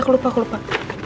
aku lupa aku lupa